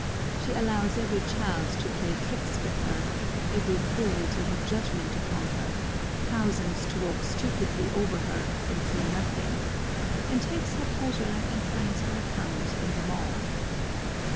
She allows every child to play tricks with her; every fool to have judgment upon her; thousands to walk stupidly over her and see nothing; and takes her pleasure and finds her account in them all.